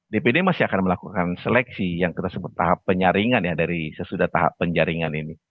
dpd masih akan melakukan seleksi yang kita sebut tahap penyaringan ya dari sesudah tahap penjaringan ini